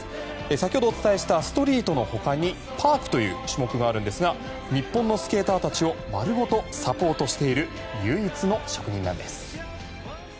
先ほどお伝えしたストリートの他にパークという種目があるんですが日本のスケーターたちを丸ごとサポートしている唯一の職人なんです。